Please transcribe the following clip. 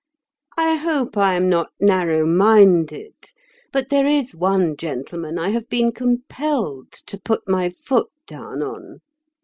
I hope I am not narrow minded, but there is one gentleman I have been compelled to put my foot down on."